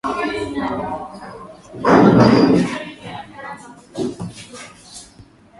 Wanaongea lugha sawa na ile ya Wanyoro Wanyankole Watoro na Wakiga